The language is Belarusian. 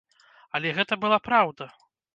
Але гэта была праўда.